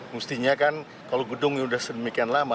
mestinya kan kalau gedung ini sudah sedemikian lalu